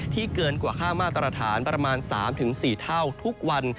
เกินกว่าค่ามาตรฐานประมาณ๓๔เท่าทุกวัน